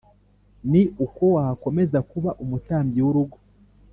Ni uko wakomeza kuba umutambyi w urugo